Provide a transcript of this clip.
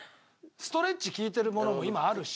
ストレッチ利いてるものも今あるし。